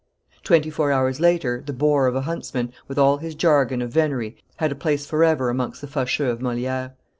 Twenty four hours later, the bore of a huntsman, with all his jargon of venery, had a place forever amongst the Facheux of Moliere.